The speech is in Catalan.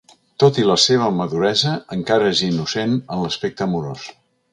Tot i la seva maduresa, encara és innocent en l’aspecte amorós.